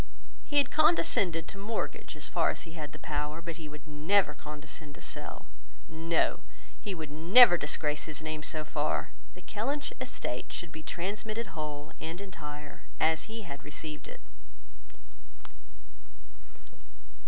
He had condescended to mortgage as far as he had the power, but he would never condescend to sell. No; he would never disgrace his name so far. The Kellynch estate should be transmitted whole and entire, as he had received it.